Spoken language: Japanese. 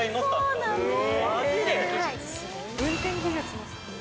◆そうなんです。